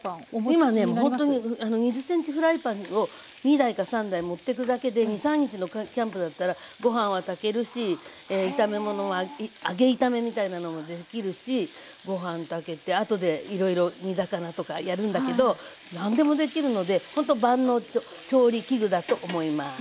今ねほんとに２０ｃｍフライパンを２台か３台持ってくだけで２３日のキャンプだったらご飯は炊けるし炒め物は揚げ炒めみたいなのもできるしご飯炊けてあとでいろいろ煮魚とかやるんだけど何でもできるのでほんと万能調理器具だと思います。